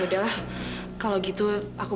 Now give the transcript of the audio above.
yaudahlah kalau gitu aku pulang dulu ya pak